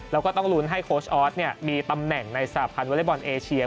แล้วก็ต้องลุ้นให้โค้ชออสมีตำแหน่งในสหรัฐภัณฑ์เวลาบอร์นเอเชีย